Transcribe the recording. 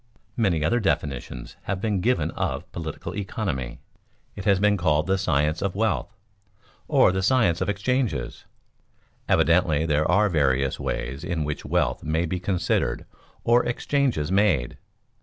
Many other definitions have been given of political economy. It has been called the science of wealth, or the science of exchanges. Evidently there are various ways in which wealth may be considered or exchanges made.